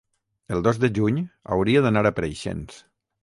el dos de juny hauria d'anar a Preixens.